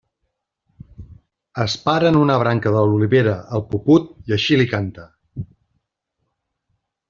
Es para en una branca de l'olivera el puput i així li canta.